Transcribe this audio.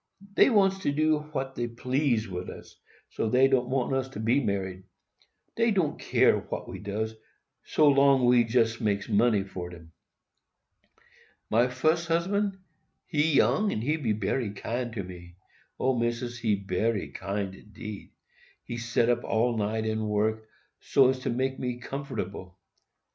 Dey wants to do what dey please wid us, so dey don't want us to be married. Dey don't care what we does, so we jest makes money for dem. "My fus husband,—he young, and he bery kind to me,—O, Missis, he bery kind indeed. He set up all night and work, so as to make me comfortable.